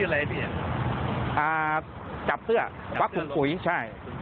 อ๋อแล้วเขาชื่ออะไรพี่